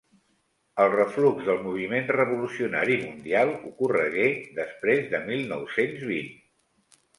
El reflux del moviment revolucionari mundial ocorregué després del mil nou-cents vint.